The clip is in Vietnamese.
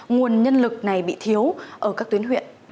nguồn nhân lực này bị thiếu ở các tuyến huyện